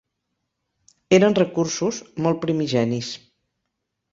Eren recursos molt primigenis.